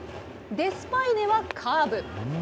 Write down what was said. デスパイネはカーブ。